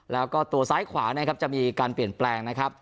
แล้วตัวซ้ายขวาจะมีการเปลี่ยนแปลง